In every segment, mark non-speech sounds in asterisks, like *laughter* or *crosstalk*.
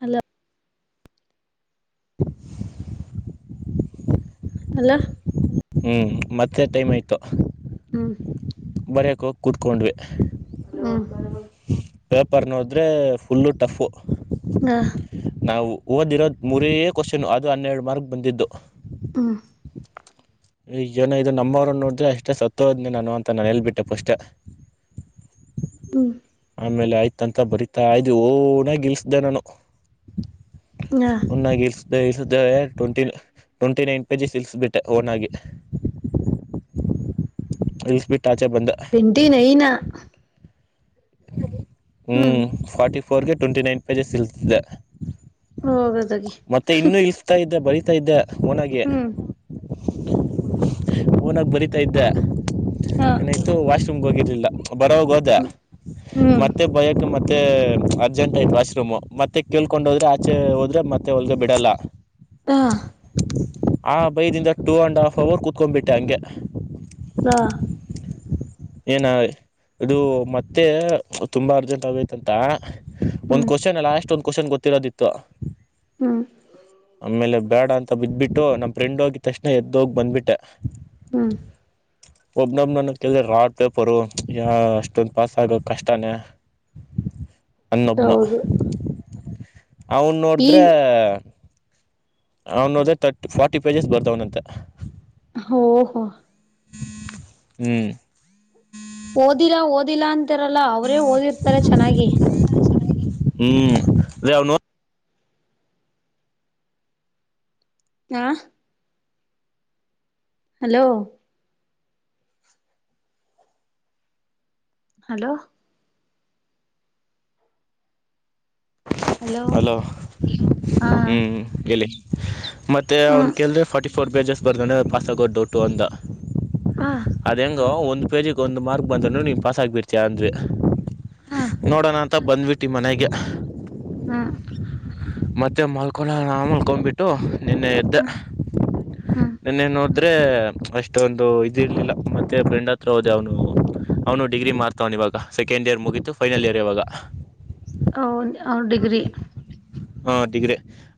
Hello *inaudible* F ಹ್ಮ್ ಮತ್ತೆ time ಆಯ್ತು. ಹ್ಮ್ ಹೊರಗ್ ಹೋಗಿ ಕೂತ್ಕೊಂಡ್ವಿ ಹ್ಮ್ ಪೇಪರ್ ನಂ ಅಂದ್ರೆ ಫುಲ್ಲು ಟಫು. ನಾ ನಾವು ಓದಿರೋದು ಮೂರೇ ಕ್ವೋಶನು ಅದು ಹನ್ನೆರಡು ಮಾರ್ಕ್ ಬಂದಿದ್ದು. ಹ್ಮ ಈಶ್ ಜನ ಇದ್ರು ನಮ್ಮವರು ಅನ್ನೋದು ಅಷ್ಟೇ ಸತ್ಯವಂತ ನಾನು ಅಂತ ಹೇಳ್ಬಿಟ್ಟೆ ಫಸ್ಟೆ. ಹ್ಮ ಆಮೇಲೆ ಆಯ್ತಂತ ಬರಿತಾ ಇದ್ದೆ, ಓನಗೀಚ್ದೆ ನಾನು. ಹ ಎಲ್ಲಗೀಜು ಈ ಸತಿ ಟ್ವೆಂಟಿ, ಟ್ವೆಂಟಿ ನೈನ್ ಪೇಜಸ್ ಇಳುಸ್ಬಿಟ್ಟೆ ಓನ್ ಆಗಿ. ಇಳುಸ್ಬಿಟ್ಟು ಆಚೆ ಬಂದೆ. ಟ್ವೆಂಟಿ ನೈನ್ ಹ್ಮ್ ಫಾರ್ಟಿ ಫೋರ್ಗೆ ಟ್ವೆಂಟಿ ನೈನ್ ಪೇಜಸ್ ಇಲ್ತಿದ್ದೆ. ಹೋಗದಗಿ ಮತ್ತೆ ಇನ್ನುೂ ಇಷ್ಟ ಇದ್ರೆ ಬರೀ. ತು ಇದ್ದೆ ಓನಾಗಿ, ಹ್ಮ್ ಓನಾಗ್ ಬರಿತಾ ಇದ್ದೆ. ಹ ವಾಶ್ರೂಮ್ಗು ಹೋಗಿರ್ಲಿಲ್ಲ ಬರೋಗ ಹೋದ್ರು ಹ್ಮ್ ಮತ್ತೆ ಬರೋಕ್ ಮೋದ ಮತ್ತೆ ಅರ್ಜೆಂಟ್ ಆಯ್ತು ವಾಶ್ರೂಮ್ ಮತ್ತೆ ಕೇಳ್ಕೊಂಡ್ ಹೋದ್ರೆ ಆಚೆ ಹೋದ್ರೆ ಮತ್ತೆ ಒಳಗೆ ಬಿಡಲ್ಲ. ಹಾ ಆ ಬೈಯದಿಂದ ಟೂ ಅಂಡ್ ಆಫ್ ಅವರ್ ಕೂತ್ಕೊಂಡುಬಿಟ್ಟೆ ಹಂಗೆ. ಹಾ ಏನೋ ಹೊಯ್ ಇದು ಮತ್ತೆ ತುಂಬಾ ಅರ್ಜೆಂಟ್ ಆಗೋಯ್ತಾಂತಾ, ಒಂದು ಹ್ಮ್ ಕೋಶನ್ ಲಾಸ್ಟ್ ಒಂದು ಕೋಶನ್ ಗೊತ್ತಿಲ್ಲ ಅದಿಕ್ಕೆ ಹ್ಮ್ ಆಮೇಲೆ. ಬೇಡ ಅಂತ ಬಿದ್ಬಿಟ್ಟು ನಮ್ ಫ್ರೆಂಡು ಅಂದಿದ್ ತಕ್ಷಣ ಎದ್ದೋಗಿ ಬಂದ್ಬಿಟ್ಟೆ. ಹ್ಮ ಒಬ್ನೊಬ್ ನನ ಕೇಯ ರಾಡ್ ಪೇಪರು ಯ ಅಷ್ಟೊ. ಪಾಸ್ ಆಗೋದು ಕಷ್ಟನಾ ಅನ್ನೊಬ್ನ. ಹೌದು ಅವ್ನು ಈ ನೋಡಿದ್ರೆ ಅವನೋದೆ ತರ್ಟಿ ಫಾರ್ಟಿ ಪೇಜಸ್ ಬರ್ತವನ್ ಅಂತೆ. ಹೋ ಹು, ಹ್ಮ ಓದಿಲ್ಲಾ ಓದಿಲ್ಲಾ ಅಂತರಲ್ಲ ಅವ್ರೇ ಓದಿರ್ತಾರೆ ಚೆನ್ನಾಗಿ. ಹ್ಮ್ ಇವಾಗ್ ನೋ ಹಾ ಹಲೋ ಹಲೋ ಹಲೋ ಹಾ ಹ್ಮ್ ಹೇಳಿ ಮತ್ತೆ ಅವ್ನು ಹ್ಮ್ ಕೇಳಿದರೆ ಫಾರ್ಟಿ ಫೋರ್ ಪೇಜಸ್ ಬರ್ತಾವ್ನೆ ಪಾಸ್ ಆಗೋದು ಡೌಟು ಅಂತ. ಹ್ಮ ಒಂದು ಪೇಜಿಗೆ ಒಂದು ಮಾರ್ಕ್ ಬಂದ್ರು ನೀ ಪಾಸ್ ಆಗಿಬಿಡ್ತಿ ಹ್ಮ್ ನೋಡೋಣ. ತ್ತ ಬಂದ್ಬಿಟ್ಟಿ ಮನೆಗೆ, ಹ್ಮ ಮತ್ತೇ ಮಲ್ಕೊಳ್ಳೋಣ ಅನ್ನೊಂಡುಬಿಟ್ಟು. ನಿನ್ನೆ ಎದ್ದೆ ಹ್ಮ್ ಹ್ಮ್ ನಿನ್ನೆ ನೋಡು ಆದ್ರೆ ಅಷ್ಟೊಂದು ಇದ ಇರ್ಲಿಲ್ಲ ಮತ್ತೆ ಫ್ರೆಂಡ್ ಹತ್ರ ಹೋದೆ ಅವನು ಅವನು ಡಿಗ್ರಿ ಮಾಡ್ತವ್ ಇವಾಗ ಸೆಕೆಂಡ್ ಇಯರ್ ಮುಗೀತು ಫೈನಲ್ ಇಯರ್ ಇವಾಗ ಅವ ಡಿಗ್ರಿ ಹಾ ಡಿಗ್ರಿ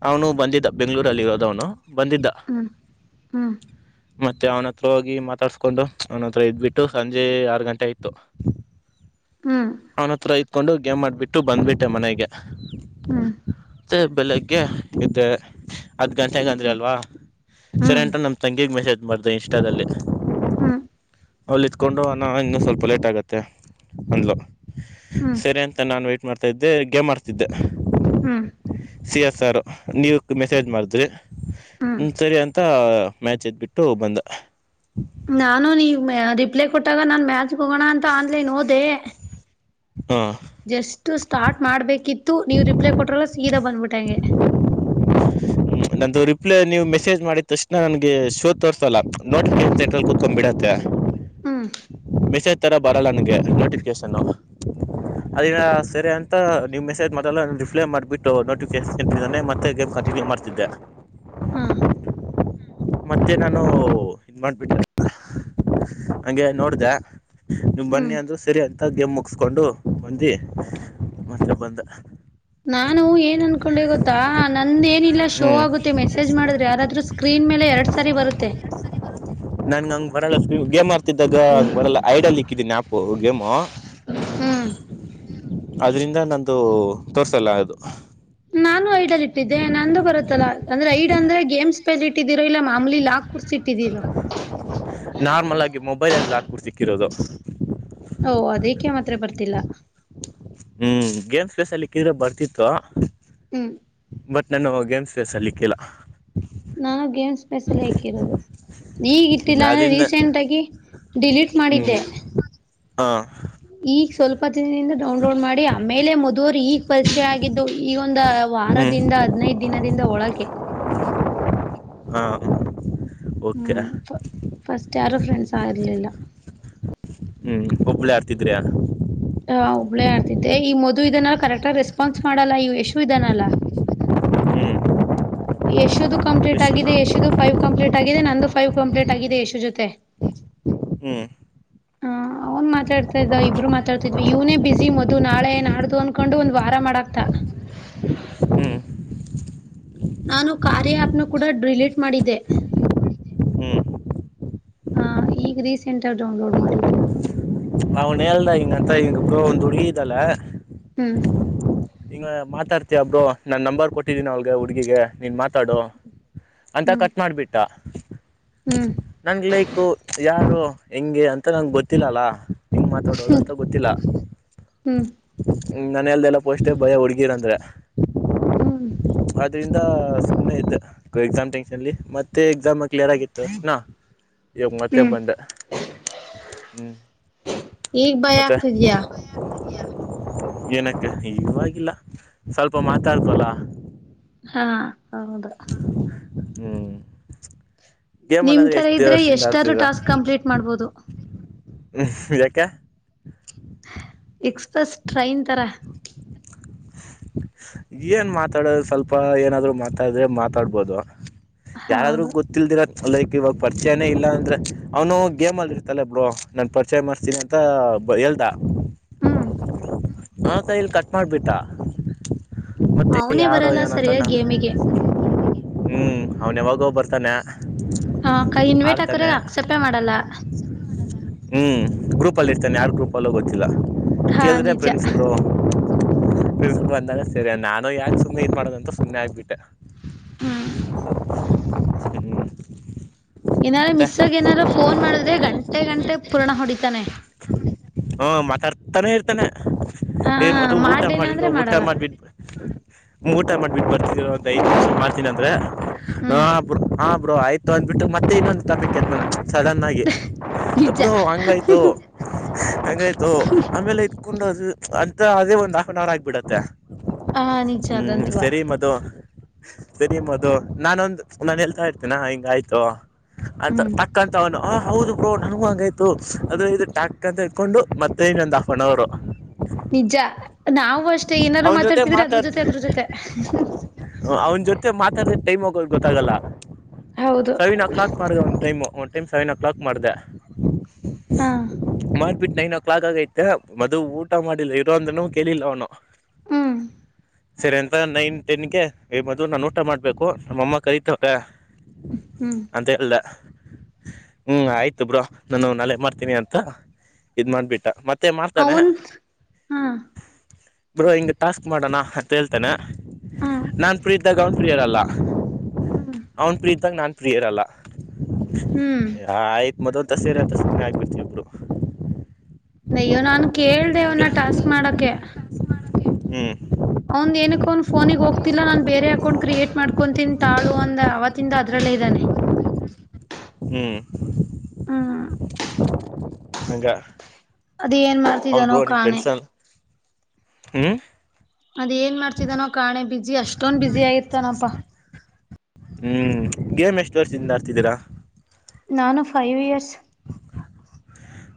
ಅವನು ಬಂದಿದ್ದ ಬೆಂಗಳೂರಿನಲ್ಲಿ ಇರೋದ ಅವನು ಬಂದಿದ್ದ ಹ್ಮ್ ಹ್ಮ್ ಮತ್ತೆ ಅವ್ನ ಹತ್ರ ಹೋಗಿ ಮಾತಾಡ್ಸ್ಕೊಂಡು ಅವ್ನ ಹತ್ರ ಇದ್ಬಿಟ್ಟು ಸಂಜೆ ಆರು ಗಂಟೆ *inaudible* ಹ್ಮ್ ಅವನ ಹತ್ರ ಇಕೊಂಡು ಗೇಮ್ ಮಾಡ್ಬಿಟ್ಟು ಬಂದ್ಬಿಟ್ಟೆ ಮನೆಗೆ ಹ್ಮ ಅ ಬೆಲೆಗ್ಗೆ ಹೆಡ್ ಹತ್ತು ಗಂಟೆಗ ಅಂದ್ರ ಹ್ಮ್ ಅಲ್ವಾ ಸರಿ ಹ್ಮ್ ಅಟ ನಮ್ಮ ತಂಗಿಗೆ ಮೆಸೇಜ್ ಮಾಡಿದೆ ಇನ್ಸ್ಟಾದಲ್ಲಿ ಹ್ಮ ಅಲ್ಲಿ ಇತ್ಕೊಂಡು ಅಣ ಇನ್ನು ಸ್ವಲ್ಪ ಲೇಟ್ ಆಗತ್ತೆ ಅಂದ್ಲು ಹ್ಮ್ ಸರಿ ಅಂತ ನಾನು ವಟ್ ಮಾಡ್ತಾದ್ದೆ ಗೇಮ್ ಆಡ್ತಿದ್ದೆ ಹ್ಮ್ ಸಿ ಎಸ್ ಆರ್ ನೀವ ಮೆಸೇಜ್ ಮಾಡಿದ್ರಿ ಹ್ಮ್ ಸರಿ ಅಂತ ಮ್ಯಾಚ್ ಎದ್ಬಿಟ್ಟು ಬಂದ ನಾನು ನೀವ ಮ ರಿಪ್ಲೈ ಕೊಟ್ಟಾಗ ನಾನ್ ಮ್ಯಾಚ್ಗೆ ಹೋಗೋಣ ಅಂತ ಆನ್ಲೈನ್ ಓದೆ ಹ ಜಸ್ಟ್ ಸ್ಟಾರ್ಟ್ ಮಾಡ್ಬೇಕಿತ್ತು ಇತ್ತು ನೀವ್ ರಿಪ್ಲೈ ಕೊಟ್ರಲ್ಲ ಸಗೀದಾ ಬಂದ್ಬಿಟ್ಟ ಹಂಗೆ ನಂದುದು ರಿಪ್ಲೈ ನೀವು ಮೆಸೇಜ್ ಮಾಡಿದ ತಕ್ಷಣ ನನಗೆ ಶೋ ತೋರಿಸತೋಲ್ಲ ನೋಟಿಫಿಕೇಶನ್ ಸೆಟ್ರಲ್ಲಿ ಕುತ್ಕೊಂಡು ಬಿಡತ್ತೆ ಹ್ಮ ಥರ ಬರೋಲ್ಲ ನನಗೆ ನೋಟಿಫಿಕೇಶನ್ನು ಅದ ಸರಿ ಅಂತ ನೀ್ ಮೆಸೇಜ್ ಮಾಡಲ್ಲ ರಿಪ್ಲೈ ಮಾಡಿಬಿಟ್ಟು ನೋಟಿಫಿಕೇಶನ್ ಮತ್ತೆ ಗೇಮ್ ಕಂಟಿನ್ಯೂ ಮಾಡ *inaudible* ಹಾ ಮತ್ತೆ ನಾನು ಇದ ಮಾಡ್ಬಿಟ್ಟೆ ಹಂಗೆ ನೋಡ್ದ ನಿಮ್ ಹ್ಮ್ ಬನ್ನಿ ಅಂದ್ರರು ಸರಿ ಅಂತ ಗೇಮ್ ಮುಗಸ್ಕೊಂಡು ಬಂದಿ ಮತ್ತೆ ಬಂದ ನಾನು ಏನ್ ಅನ್ಕೊಂಡೆ ಗೊತ್ತಾ ನಂದ ಏನಿಲ್ಲ ಶೋ ಆಗುತ್ತೆ ಮೆಸೇಜ್ ಮಾಡಿದ್ರೆ ಯಾರಾದ್ರರು ಸ್ಕ್ರೀನ್ ಮೇಲೆ ಎರಡ್ ಸಾರಿ ಬರುತ್ತೆ ನೀ ಗೇಮ್ ಆರ್ತಿದ್ದಾಗ ಹಂಗ ಬರಲ್ಲ ಐಡಿಯಲ್ ಇಕ್ಕಿದೀನಿ ಆಪು ಗೇಮು ಹ್ಮ್ ಅದ್ರಿಂದ ನಂದುು ತೋರ್ಸಲ್ಲ ಅದು ನಾನು ಐಡಲ್ ಇಟ್ಟಿದ್ದೆ ನಂದು ಬರುತ್ತಲ್ಲ ಅಂದ್ರೆ ಐಡ್ ಅಂದ್ರೆ ಗೇಮ್ಸ್ ಪಲ್ ಇಟ್ಟಿದೀರ ಇಲ್ಲ ಮಾಮೂಲಿ ಲಾಕ್ ಕುೂರ್ಸಿ ಇಟ್ಟಿದೀರ ಬರಿ ಲಾಕ್ ಕೂರ್ಸಿ ಇಟ್ಟಿರೋದು ಓ ಅದಕ್ಕೆೆ ಮಾತ್ರ ಬರ್ತಿಲ್ಲ ಹ್ಮ್ ಗೇಮ್ಸ್ ಪ್ಲೇಸ್ ಅಲ್ಲಿ ಲಿಕ್ಕಿದ್ರೆ ಬರ್ತಿತ್ತು ಹ್ಮ್ ಬಟ್ ನಾನು ಗೇಮ್ಸ್ ಬೇಸ್ ಅಲಿಕ್ಕಿಲ್ಲ ನಾನು ಗೇಮ್ಸ್ ಸ್ಪೆಸಲ್ ಹಕಿರೋದು ಹ್ಮ್ ಈಗಿತ್ತಿಲ್ಲ ಅಂದ್ರೆ ಅದ್ರಿಂದ ರೀಸೆಂಟ್ ಆಗಿ ಡಿಲೀಟ್ ಹ್ಮ್ ಮಾಡಿದ್ದೆ ಹಾ ಈಗ ಸ್ವಲ್ಪ ಡೌನ್ಲೋಡ್ ಮಾಡಿ ಆಮೇಲೆ ಮದುವರು ಈಗ ಪರೀಕ್ಷೆ ಆಗಿದ್ದು ಈಗ ಒಂದು ಹ್ಮ್ ವಾರದಿಂದ ಹದ್ನೈದು ದಿನದಿಂದ ಒಳಗೆ ಹಾ ಓಕೆ ಹ್ಮ್ ಫಸ್ಟ್ ಯರು ಫ್ರೆಂಡ್ಸ್ ಆರಲಿಲ್ಲ ಹ್ಮ್ *unintelligible* ಹ ಹಬ್ಳೇ ಆಡ್ತಿದ್ದೆ ಈ ಮದುವ ಇದನ್ನ ಕರೆಕ್ ಆಗ ರೆಸ್ಪಾನ್ಸ್ ಮಾಡಲ್ಲ ಇವ ಯಶು ಇದಧಾನಲ್ಲ ಹ್ಮ್ ಯಶದು ಕಂಪ್ಲೀಟ್ ಆಗಿದೆ ಯಶುನಾ ಎಶ ಫೈವ್ ಕಂಪ್ಲೀಟ್ ಆಗಿದೆ ನಂದು ಫೈವ್ ಕಂಪ್ಲೀಟ್ ಆಗಿದೆ ಯಶು ಜೊತೆ *inaudible* ಹ್ಮ್ ಹ ಅವ್ನ್ ಮಾತಾಡ್ತಾ ಇದ್ದ ಇಬ್ಬರು ಮಾತಾಡ್ತಿದ್ವಿ ಇವ್ನೇ ಬಿಸಿ ಮೊದು ನಾಡ್ದು ಅನ್ಕೊಂಡು ಒಂದ್ ವಾರ ಮಾಡಾಕ್ತ *inaudible* ಹ್ಮ್ ನಾನು ಕಾರ್ಯ ಆ್ಯಪ್ನು ಕೂಡ ಡಿಲೀಟ್ ಮಾಡಿದ್ದೆ ಹ್ಮ್ ಹಾ ಈಗ ರೀಸೆಂಟ್ ಆಗ ಡೌನ್ಲೋಡ್ ಮಾಡಿದ್ದು ಅವ್ನ ಹಲ್ ಹಿಂಗಂತ ಈಂಗಬ್ಬ ಒಂದ್ ಹುಡುಗಿ ಇದಲ್ಲ ಹ್ಮ್ ಈಂಗ ಮಾತಾಡ್ತಿಯ ಅಬ್ರು ನನ್ ನಂಬರ್ ಕೊಟ್ಟಿದ್ದೀನಿ ಅವಲ್ಗೆ ಹುಡ್ಗಿಗೆ ನೀನ್ ಮಾತಾಡು ಅಂತ ಹ್ಮ್ ಕಟ್ ಮಾಡ್ಬಿಟ್ಟ ಹ್ಮ್ ನಂ ಲೈಕು ಯಾರು ಹೆಂಗೆ ಅಂತ ನಂಗ ಗೊತ್ತಿಲ್ಲಲ್ಲ ನಿಂ ಮಾತಾಡುವುದು ಹ್ಮ್ ಅಂತ ಗೊತ್ತಿಲ್ಲ ಹ್ಮ್ ಮನೆಯಲ್ದೆಲ್ಲ ಪೋಸ ಭಯ ಹುಡ್ಗೀರಂದ್ರ ಹ್ಮ್ ಅದರಿಂದ ಸುಮ್ಮನೆ ಇ್ದ ಎಕ್ಸಾಮ್ ಟೆನ್ಷನ್ಲ್ಲಿ ಮತ್ತೆ ಎಕ್ಸಾಮ್ ಕ್ಲಿಯರ್ ಆಗಿತ್ತು ಅ್ಣ ಈಗ ಮತ್ತೆ ಹ್ಮ್ ಬಂದ ಹ್ಮ್ ಈಗ್ ಭಯ ಮತ್ತೆ ಆಗ್ತಿದ್ಯಾ ಏನಕ್ಕ ಈಗವಾಗಿಲ್ಲ ಸ್ವಲ್ಪ ಮಾತಾಡ್ತಲ್ಲ ಹಾ ಹೌದು ಹ್ಮ್ ಗೇಮ್ಲ್ಲ ನಿಮ್ ಅಂದ್ರೆ ತರ ಎಷ್ಟ್ ಇದ್ರೆ ದೇವಸದಿಂದ ಎಷ್ಟಾದ್ರೂ ಆಡ್ತದ ಟಾಸ್ಕ್ ಕಂಪ್ಲೀಟ್ ಮಾಡ್ಬೋದು ಹ್ಮ ಯಕ್ಕ ಎಕ್ಸ್ಪ್ರೆಸ್ ಟ್ರೈನ್ ತರ ಏನ್ ಮಾತಾಡದು ಸ್ವಲ್ಪ ಏನಾದ್ರು ಮಾತಾಡ್ರೆ ಮಾತಾಡ್ಬೋದು ಯಾರಾದ್ರೂ ಹೌದು ಗೊತ್ತಿಲ್ದಿರ ಲೈಕ್ ಇವಾಗ ಪರಿಚಯನೇ ಇಲ್ಲ ಅಂದ್ರೆ ಅವನು ಗೇಮ್ ಅಲ್ಲಿರ್ತಲ್ಲೆ ಇಬ್ ನಾನು ಪರಿಚಯ ಮಾಡ್ತೀನಿ ಅಂತ ಬ ಹೇಳ್ತಾ ಹ್ಮ ಆ ಕೈಲ್ಲಿ ಕಟ್ ಮಾಡ್ಬಿಟ್ಟ ಮತ್ತೆ ಅವನೇ ಯಾರು ಬರಲ್ಲ ಏನಂತ ಸರಿಯಾಗಿ ನಾನು ಗೇಮಿಗೆ ಹ್ಮ್ ಅವ್ನ್ ಯಾವಾಗ ಬರ್ತಾನೆ ಹ ಕೈ ಇನ್ವೇಟ್ ಹಾಕೋರ ಆಡ್ತಾನೆ ಅಕ್ಸರ್ಪೆ ಮಾಡಲ್ಲ ಹ್ಮ್ ಗ್ರೂಪ್ ಅಲ್ಲಿ ಇರ್ತಾನೆ ಯಾರ್ ಗ್ರೂಪ್ ಅಲ್ಲೋ ಗೊತ್ತಿಲ್ಲ ಹಾ ಕೇಳ್ರೆ ನಿಜ ಫ್ರೆಂಡ್ಸ್ ತಿ ಬಂದಾಗ ಸರಿ ನಾನು ಯಾಕೆ ಸುನೆ ಏನ್ ಮಾಡೋದಂತ ಸುಮ್ಮ್ನೆ ಆಗ್ಬಿಟ್ಟೆ ಹ್ಮ್ ಸಿ ಏನಾರ ಮಿಸ್ ಆಗ ಏನಾರ ಫೋನ್ ಮಾಡಿದ್ರೆ ಗಂಟೆ ಗಂಟೆ ಪುರ್ಣ ಹೊಡಿತಾನೆ ಹ ಮಾತಾಡ್ತಾನೇ ಇರ್ತಾನೆ ಹ ಏ ಮದು ಊಟ ಮಾಡ್ಲಿಲ್ಲ ಮಾಡು ಅಂದ್ರೆ ಊಟ ಮಾಡಲ್ಲ ಮಾಡ್ಬಿಟ್ಟ ಊಟ ಮಾಡಬಿಟ್ಟು ಬರ್ತರೋ ಅಂತ ಐದು ವರ್ಷ ಮಾಡ್ತೀನಿ ಅಂದ್ರೆ ಹ ಹ್ಮ್ ಹ ಇಬ್ ಆಯತ ಅಂದ್ಬಟ್ಟ ಮತ್ತೆ ಇನ್ನೊಂದು ತನ ಸಡನ್ನಾಗಿ ನಿಜ ಒಬ್ರೋ ಹಂಗಾಯ್ತು ಹಂಗಾಯ್ತು ಆಮೇಲೆ ಆಯತು ಹಾಕೊಂಡದು ಅಂತ ಅದ ಒಂದ ಹಾಫನ್ ಅವರ್ ಆಗ್ಬಿಡತ್ತೆ ಹ ನಿಜ ಹ್ಮ್ ಅದಂತವಾ ಸರಿ ಮದು ಸರಿಮದುದು ನಾನೊಂದು ನಾನು ಎಲ್ತಾ ಇರ್ತೀನಾ ಹಿಂಗ ಆಯ್ತು ಅಂತ ಹ್ಮ್ ತಕ್ಕಂತವನು ಆ ಹೌದು ಬ್ರೋ ನನ್ ಆಗಾಯ್ತು ಅದು ಇ ಟಾಕ್ ಅಂತ ಇಕೊಂಡು ಮತ್ತೆ ಇನ್ನೊಂದ್ ಆಫ್ ಅನ್ ಅವರ್ ನಿಜ ನಾವ ಅಷ್ಟೇ ಏನಾರೂ ಅವನ ಜೊತೆ ಮಾತಾಡ್ತಿದ್ರೆ ಅದ್ರ ಜೊತೆ ಅದ್ರ ಜೊತೆ ಅವ್ನ ಜೊತೆ ಮಾತಾಡಿದ್ರ ಟೈಮ್ ಹೋಗೋದು ಗೊತ್ತಾಗಲ್ಲ ಹೌದು ಸೆವೆನ್ ಕ್ಲಾಕ್ ಮಾರ್ಗ ಅವನ್ ಟೈಮ್ ಒಂದ ಟೈಮ್ ಸೆವೆನ್ ಕ್ಲಾಕ್ ಮಾಡಿದೆ ಹಾ ಬಿಟ್ಟ ನೈನ್ ಓ ಕ್ಲಾಕಾಗಿತ್ತ ಮದು ಊಟ ಮಾಡಿಲ್ಲ ಇರೋ ಅಂದ್ರುನು ಕೇಳಿಲ್ಲ ಅವನು. ಹ್ಮ್ ಸರಿ ಅಂತ ನೈನ್ ಟೆನ್ಗೆ ಮದು ನಾನ ಊಟ ಮಾಡ್ಬೇಕು ನಮ್ಮಮ್ಮ ಕರಿತವಳೇ. ಹ್ಮ್ ಅಂತ ಹೇಳಲ್ಲ. ಹ್ಮ್ ಆಯ್ತು ಬ್ರೋ ನಾನು ನಲೆೆ ಮಾಡ್ತೀನಿ ಅಂತ ಇದ್ ಮಾಡ್ಬಿಟ್ಟ ಮತ್ತ ಅವುನ್ ಹಾ ಬ್ರೋ ಹಿಂಗ ಟಾಸ್ಕ್ ಮಾಡೋಣ ಅಂತ ಹೇಳ್ತನ ಹಾ ನಾನ್ ಫ್ರೀ ಇದ್ದಾಗ ಅವನು ಫ್ರೀ ಇರಲ್ಲ. ಹ್ಮ್ ಅವನ್ ಪ್ರೀ ಇದ್ದಾಗ ನಾನ್ ಪ್ರೀ ಇರಲ್ಲ ಹ್ಮ್ ಆಯ್ತ್ ಮೊದಲ್. ತ ಸರಿ ಅಂತ ಸುಮ್ನೆ ಆಗಬಿಡ್ತೀವಿ ಇಬ್ರು. ನಯ್ಯೋ ನಾನ್ ಕೇಳ್ದೆ ಅವನ್ನ ಟಾಸ್ಕ್ ಮಾಡಕೆ. ಹ್ಮ್ ಕೊಂಡ್ ಕ್ರಿಯೇಟ್ ಮಾಡ್ಕೊಂತಿನ ತಾಳು ಅಂದ ಅವತ್ತಿಂದ ಅದ್ರಲ್ಲೇ ಇದ್ದಾನೆ. ಹ್ಮ್ ಹ್ಮ್ ಹಂಗ ಅದ ಏನ್ ಅವನ್ ಮಾಡ್ತಿದಾನೋ ಬ್ರೋ ನಿಮ್ ಕಾಣೆ ಫ್ರೆಂಡಸಲ್ ಹ್ಮ್. ಅದೆನ ಮಾಡ್ತಿದನೋ ಕಾಣೆ ಬಿಜಿ ಅಷ್ಟೊನ್ ಬಝಿ ಆಗಿರ್ತಾನಪ್ಪಾ. ಹ್ಮ್ ಗೇಮ್ ಎಷ್ಟ ವರ್ಷದಿಂದ ಆಡತಿದೀರಾ. ನಾನು five years.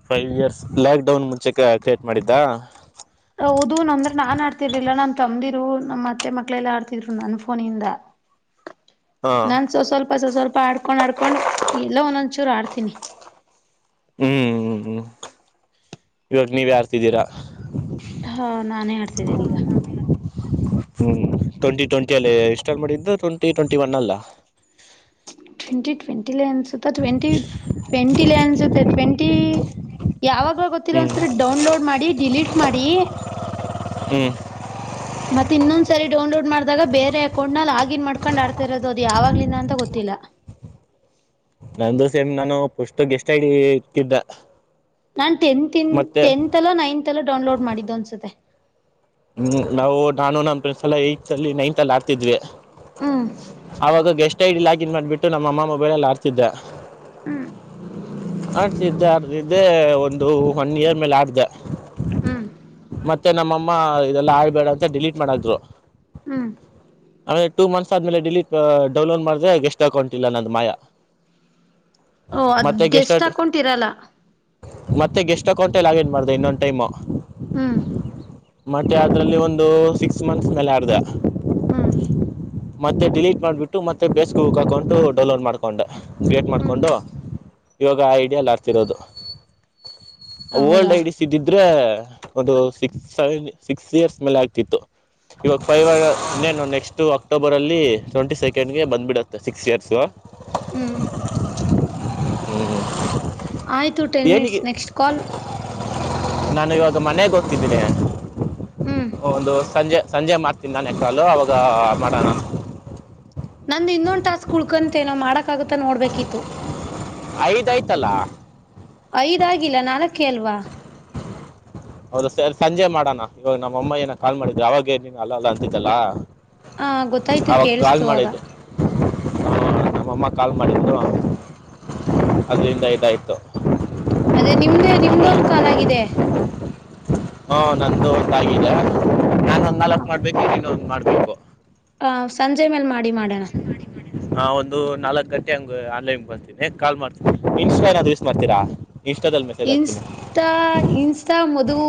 Five years lockdown ಮುಂಚೆಕ ಕ್ರಿಯೇಟ್ ಮಾಡಿದ್ದ. ಹೌದು ನಂದ್ರ ನಾನ್ ಆಡ್ತಿರ್ಲಿಲ್ಲ ನನ್ ತಮ್ದಿರು ನಮ್ಮ ಮತ್ತೆ ಮಕ್ಕಳೆಲ್ಲ ಆಡ್ತಿದ್ರು ನನ್ನ ಫೋನಿಂದ. ಹಾ ನಾನ್ ಸ್ವ ಸ್ವಲ್ಪ ಸ್ ಸ್ವಲ್ಪ ಆಡ್ಕೊಂಡ್ ಆಡ್ಕೊಂಡ. ಕೊಂಡು ಎಲ್ಲೋ ಒಂದೊಂದಚೂರ ಆಡ್ತೀನಿ. ಹ್ಮ್ ಹ್ಮ್ ಹ್ಮ್ ಇವಾಗ ನೀವೆ ಆಡ್ತಿದೀರಾ. ಹಾ ನಾನೇ ಆಡ್ತಿದ್ದೀನಿಗ. ಹ್ಮ್ ಟ್ವೆಂಟಿ ಟ್ವೆಂಟಿ ಅಲ್ಲಿ ಇಸ್ಟರ್ಟ್ ಮಾಡಿದ್ದು ಟ್ವೆಂಟಿ ಟ್ವೆಂಟಿ ಒನ್ ಅಲ್ಲ. ಟ್ವೆಂಟಿ ಟ್ವೆಂಟಿಲೆ ಅನಸತ ಟ್ವೆಂಟಿ ಟ್ವೆಂಟಿಲೆ ಅನ್ಸುತ್ತೆ ಟ್ವೆಂಟಿ. ಯಾವಾಗ್ಲೊ ಗೊತ್ತಿಲ್ಲ ಹ್ಮ್ ಒಂದಸರಿ ಡೌನ್ಲೋಡ್ ಮಾಡಿ ಡಿಲೀಟ್ ಮಾಡಿ. ಹ್ಮ್ಮ್ ಮತ್ತೆ ಇನ್ನೊಂದ ಸರಿ ಡೌನ್ಲೋಡ್ ಮಾಡ್ದಾಗ ಬೇರೆ ಅಕೌಂಟನ ಲಾಗಿನ್ ಮಾಡ್ಕೊಂಡ್ ಆಡ್ತಾ ಇರೋದು ಅದು ಯಾವಾಗ್ಲಿಂದ ಅಂತ ಗೊತ್ತಿ ಇಲ್ಲ ನಂದು ಸೇಮ್ ನಾನು ಪುಸ್ತಕ್ ಗೆಷ್ಟಐಡಿ ಇಟ್ಟಿದ್ದ. ನಾನ್ ಟೆಂತಿಂದ ಟೆಂತಲ್ಲೋ ನೈನ್ತಲ್ಲೋ ಡೌನ್ಲೋಡ್ ಮಾಡಿದ್ದು ಅನ್ಸುತ್ತೆ. ಹ್ಮ್ ನಾವು ನಾನು ನಮ್ ಫ್ರೆಂಡ್ಸ ಎಲ್ಲಾ ಏಟತಲ್ಲಿ ನೈನ್ತಲ್ಲಿ ಆಡ್ತಿದ್ವಿ. ಹ್ಮ್ ಅವಾಗ ಗೆಸ್ಟ್ ಐಡಿ ಲಾಗಿನ್ ಮಾಡ್ಬಿಟ್ಟು ನಮ್ಮ ಅಮ್ಮ ಮೊಬೈಲಲ್ಲಿ ಆಡ್ತಿದ್ದೆ. ಹ್ಮ್ ಆಡ್ತಿದ್ದೆ ಆಡ್ತಿದ್ದೇ ಒಂದು ದು ಒನ್ ಇಯರ್ ಮ್ಯಾಲ ಆಡದೆ. ಹ್ಮ ಮತ್ತೆ ನಮ್ಮಮ್ಮ ಇದೆಲ್ಲಾ ಆಡಬೇಡ ಅಂತ ಡಿಲೀಟ್ ಮಾಡ ಹಾಕುದ್ರು. ಹ್ಮ್ ಆಮೇಲೆ ಟೂ ಮಂತ್ಸ್ ಆದ್ಮೇಲೆ ಡಿಲೀಟ್ ಡೌನ್ಲೋಡ್ ಮಾಡದೇ ಗೆಸ್ಟ್ ಅಕೌಂಟ್ ಇಲ್ಲ ನಂದ ಮಾಯ. ಓ ಅದ್ ಗೆಸ್ಟ್ ಅಕೌಂಟ್ ಇರಲ್ಲ. ಮತ್ತೆ ಗೆಸ್ಟ್ ಅಕೌಂಟೆ ಲಾಗಿನ್ ಮಾಡ್ದೆ ಇನ್ನೊನ ಟೈಮು. ಹ್ಮ್ ಮತ್ತೆ ಅದ್ರಲ್ಲಿ ಒಂದು ಸಿಕ್ಸ್ ಮಂತ್ಸ್ ಮೇಲೆ ಆಡದೆ. ಹ್ಮ್ ಮತ್ತೆ ಡಿಲೀಟ್ ಮಾಡ್ಬಿಟ್ಟು ಮತ್ತೆ ಪೇಸ್ ಬುಕ್ ಅಕೌಂಟು ಡೌನ್ಲೋಡ್ ಮಾಡ್ಕೊಂಡೆ. ಕ್ರಿಯೇಟ್ ಹ್ಮ್ ಮಾಡಕೊಂಡು ಇವಾಗ ಐಡಿಯಲಿ ಆಡ್ತಿರೋದು. ಓಲ್ಡ್ ಹೌದಾ ಐಡಿಸ್ ಇದ್ದಿದ್ರೆ ಒಂದು ಸಿಕ್ಸ್ ಸೆವೆನ್ ಸಿಕ್ಸ್ ಇಯರ್ಸ್ ಮೇಲೆ ಆಗ್ತಿತ್ತು. ಇವಾಗ ಫೈವ್ ಆಗ್ಯವ ಇನ್ನೇನು ನೆಕ್ಸ್ಟ್ ಅಕ್ಟೋಬರಲ್ಲಿ ಟ್ವೆಂಟಿ ಸೆಕೆಂಡ್ಗೆ ಬಂದ್ಬಿಡುತ್ತೆ ಸಿಕ್ಸ್ ಇಯರ್ಸು. ಹ್ಮ್ ಹ್ಮ್ಮ ಆಯ್ತು ಟೆನ್ ಮಿನಿಟ್ಸ್ ನೆಕ್ಸ್ಟ್ ಕಾಲ್. ನಾನು ಇವಾಗ ಮನೆಗೆ ಹೋಗ್ತಿದ್ದೀನನೆ ಹ್ಮ್ ಒಂದು ಸಂಜೆ ಸಂಜೆ ಮಾಡ್ತೀನ ನಾನ ಯ ಕಾಲು ಅವವಾಗ ಮಾಡೋಣ ನಂದು್ ಇನ್ನೊಂದ್ ಟಾಸ್ಕ್ ಉಳ್ಕಂತೇನೋ ಮಾಡಕ್ ಆಗುತ್ತ ನೋಡ್ಬೇಕಿತ್ತು ಐದಐ್ತಲ್ಲ ಐದ್ಾಗಿಲ್ಲ ನಾಲ್ಕೆ ಅಲ್ವಾ ಹೌದ ಸ ಸಂಜೆ ಮಾಡೋಣ ಇವಾಗ ನಮ್ಮ ಅಮ್ಮನಾಗ ಕಾಲ್ ಮಾಡಿದ್ರು ಅವವಾಗೇಏನನು ಅಲ್ಲ ಅಲ್ಲ ಅಂತಿದ್ದಲ್ಲ ಹ ಗೊತ್ತಾಯ್ತು ಅವಾಗ ಕಾಲ್ ಕೇಳಸ್ತು ಆಾಗ ಮಾಡಿದ್ದೆ ನಮ್ಮಮ್ಮ ಕಾಲ್ ಮಾಡಿದ್ದರು ಹ್ಮ್ ಅದುರಿಂದ ಏಟ್ಾಯಿತು ಅದೇ ನಿಮ್ದೇ ನಿಮ್ದೊಂದ ಕಾಲಾಗಿದೆ ಹಾ ನಂದು ಹೊತ್ತಿದ್ದ ನಾನನ್ ಒಂದ್ ನಾಲ್ಕ್ ಮಾಡ್ಬೇಕು ಇನೊಂದ್ ಮಾಡ್ಬೇಕು ಹ ಸ ಹಾ ಒಂದು ನಾಲ್ಕ ಗಂಟ್ ಂಗ ಆನ್ಲೈನ್ ಬರ್ತೀನಿ ಕಾ ಮಾಡ್ತೀನಿ ಇನ್ಸ್ಟ ಯೂಸ್ ಮಾಡ್ತೀರಾ ಇನ್ಸ್ಟಾದಲ್ಲಿ ಮೆಸೇಜ್ ಹಾಕ್ತೀನಿ ಇನ್ಸ್ಟಾ ಇನ್ಸ್ಟಾ ಮದುವ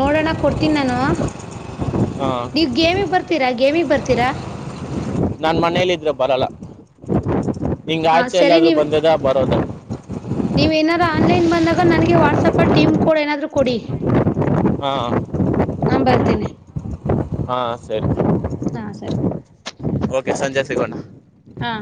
ನೋಡೋಣ ಕೊಡ್ತೀನಿ ನಾನು ಹಾಂ ನೀವ್ ಗೇಮಿಗ್ ಬರ್ತೀರಾ ಗೇಮಿಗ್ ಬರ್ತೀರಾ ನಾನ ಮನೇೆಯಲ್ಲಿ ಇದ್ರೆ ಬರಲ್ಲ ನಿಂಗ ಹ ಆಚೆ ಸರಿ ಎಲ್ಲಾದ್ರೂ ನೀವ್ ಬಂದದ ಬರೋದ ನೀವ್ ಏನಾರ ಆನ್ಲೈನ್ ಬಂದಾಗ ನನಗೆ ವಾಟ್ಸಪಲ್ಲಿ ಟೀಮ್ ಕೋಡ್ ಏನಾದರೂ ಕೊಡಿ ಹಾಂ ನಾನ್ ಬರ್ತೇನೆಿ ಹಾ ಸರಿ ಹಾ ಸರಿ ಓಕೆ ಸಂಜೆ ಸಿಗೋಣ ಹಾ